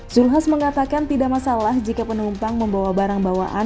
zulkifli hasan mengatakan tidak masalah jika penumpang membawa barang bawaan